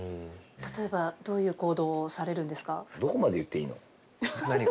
例えばどういう行動をされるんですか？